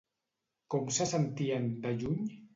Com se sentien, de lluny?